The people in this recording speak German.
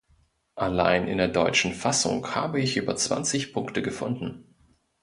Allein in der deutschen Fassung habe ich über zwanzig Punkte gefunden.